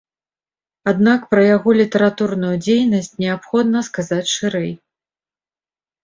Аднак пра яго літаратурную дзейнасць неабходна сказаць шырэй.